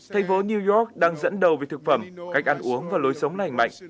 thành phố new york đang dẫn đầu về thực phẩm cách ăn uống và lối sống lành mạnh